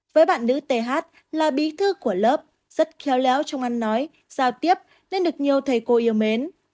với bạn nữ th là bí thư của lớp rất khéo léo trong ăn nói giao tiếp nên được nhiều thầy cô yêu mến